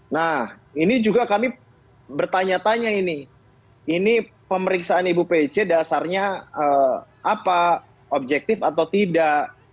nah ini juga kami bertanya tanya ini ini pemeriksaan ibu pece dasarnya apa objektif atau tidak